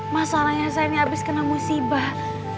masalahnya saya ini habis kena musibah